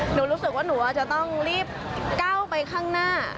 รู้สึกว่าหนูอาจจะต้องรีบก้าวไปข้างหน้า